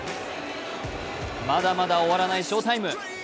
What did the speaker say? まだまだ終わらない翔タイム。